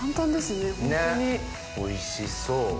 ねっおいしそう。